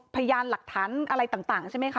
พยานหลักฐานอะไรต่างใช่ไหมคะ